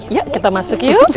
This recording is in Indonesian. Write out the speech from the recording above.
iya kita masuk yuk